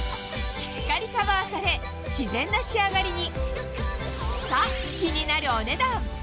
しっかりカバーされ自然な仕上がりに！